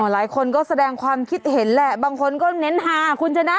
หลายคนก็แสดงความคิดเห็นแหละบางคนก็เน้นหาคุณชนะ